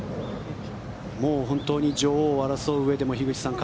本当に女王を争ううえでも樋口さん